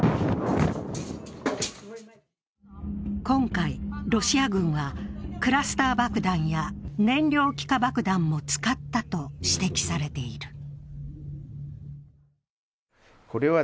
今回、ロシア軍はクラスター爆弾や燃料気化爆弾も使ったと指摘されている。